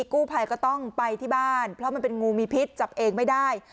กู้ภัยก็ต้องไปที่บ้านเพราะมันเป็นงูมีพิษจับเองไม่ได้